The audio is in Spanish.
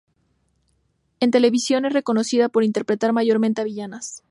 En televisión es reconocida por interpretar mayormente a villanas.